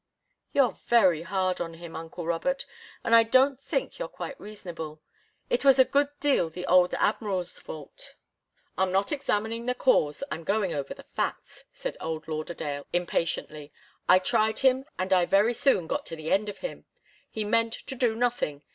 "You're very hard on him, uncle Robert. And I don't think you're quite reasonable. It was a good deal the old Admiral's fault " "I'm not examining the cause, I'm going over the facts," said old Lauderdale, impatiently. "I tried him, and I very soon got to the end of him. He meant to do nothing.